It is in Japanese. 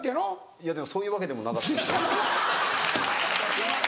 いやでもそういうわけでもなかった。